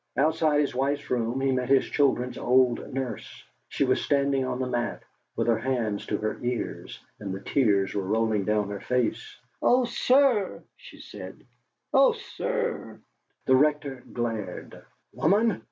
Outside his wife's room he met his children's old nurse. She was standing on the mat, with her hands to her ears, and the tears were rolling down her face. "Oh, sir!" she said "oh, sir!" The Rector glared. "Woman!"